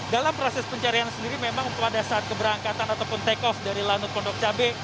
dalam proses pencarian sendiri memang pada saat keberangkatan ataupun take off dari lanut pondok cabai